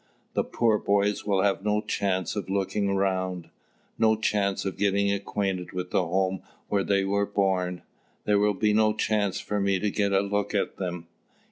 "The poor boys will have no chance of looking around, no chance of getting acquainted with the home where they were born; there will be no chance for me to get a look at them."